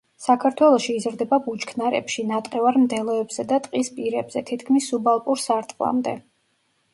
საქართველოში იზრდება ბუჩქნარებში, ნატყევარ მდელოებსა და ტყის პირებზე თითქმის სუბალპურ სარტყლამდე.